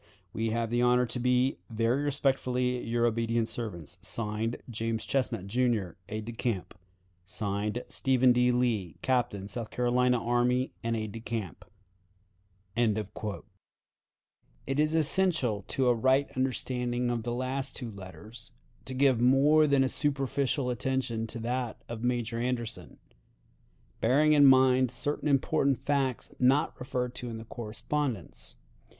"We have the honor to be, very respectfully, "Your obedient servants, (Signed) "James Chesnut, Jr, "Aide de camp. (Signed) "Stephen D. Lee, "Captain S. C. Army, and Aide de camp. "Major Robert Anderson, "United States Army, commanding Fort Sumter." It is essential to a right understanding of the last two letters to give more than a superficial attention to that of Major Anderson, bearing in mind certain important facts not referred to in the correspondence.